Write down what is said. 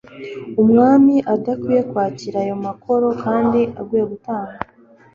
Umwami adakwiye kwakira ayo makoro kandi agiuye gutanga.